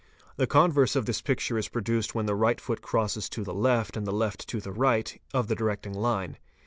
The converse of this picture is produced when the right foot crosses to the left and the left to the right of the directing line.